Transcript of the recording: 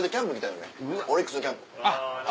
オリックスのキャンプ。